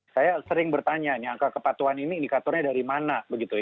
saya sering bertanya angka kepatuhan ini indikatornya dari mana